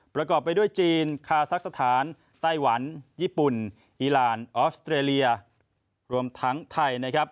ประกอบไปด้วยจีนคาซักสถานไต้หวันญี่ปุ่นอีรานออสเตรเลียรวมทั้งไทยนะครับ